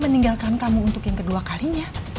meninggalkan kamu untuk yang kedua kalinya